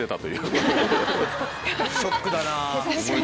ショックだな。